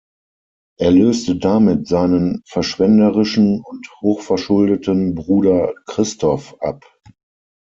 Er löste damit seinen verschwenderischen und hochverschuldeten Bruder Christoph ab.